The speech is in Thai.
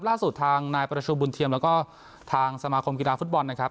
ล่าสุดทางนายประชุมบุญเทียมแล้วก็ทางสมาคมกีฬาฟุตบอลนะครับ